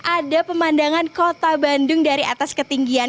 ada pemandangan kota bandung dari atas ketinggian